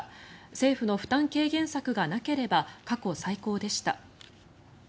政府の負担軽減策がなければ過去最高でした。